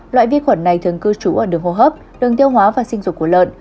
loại vi khuẩn này thường cư trú ở đường hô hấp đường tiêu hóa và sinh dục của lợn